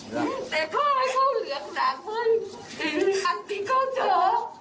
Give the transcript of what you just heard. แต่ข้อให้เขาเหลืองหนักไว้อันตรีก็เจาะ